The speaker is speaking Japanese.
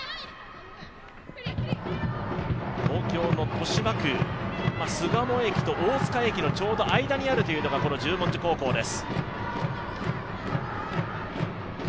東京の豊島区巣鴨駅と大塚駅のちょうど間にあるというのがこの十文字高校です。